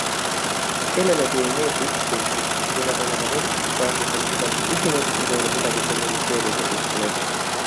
Kellelegi ei meeldi ükskõiksus, kui nad on oma vestluskaaslaselt midagi küsinud või neile midagi kommunikeerida üritanud.